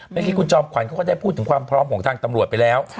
เมื่อกี้คุณจอมขวัญเขาก็ได้พูดถึงความพร้อมของทางตำรวจไปแล้ว